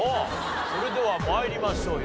それでは参りましょう。